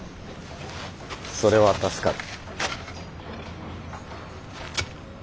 それは助かる。